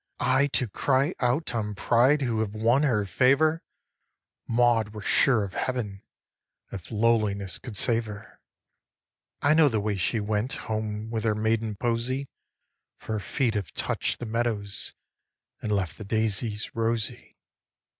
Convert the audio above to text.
5. I to cry out on pride Who have won her favour! Maud were sure of Heaven If lowliness could save her. 6. I know the way she went Home with her maiden posy, For her feet have touch'd the meadows And left the daisies rosy.